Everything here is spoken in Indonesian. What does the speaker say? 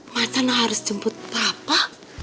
masana harus jemput papa